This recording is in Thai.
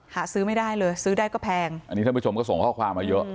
หาซื้อไม่ได้เลยซื้อได้ก็แพงอันนี้ท่านผู้ชมก็ส่งข้อความมาเยอะ